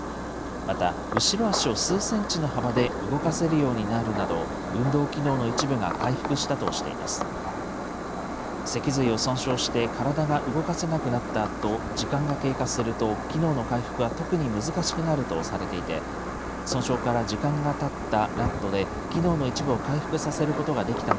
また、後ろ足を数センチの幅で動かせるようになるなど、運動機能の一部が回復したとしています。